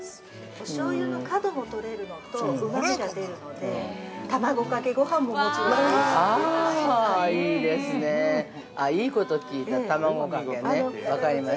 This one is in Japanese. ◆おしょうゆの角も取れるのとうまみが出るので卵かけごはんももちろんおいしいですし。